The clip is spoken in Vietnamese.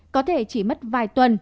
có thể chỉ mất vài tuần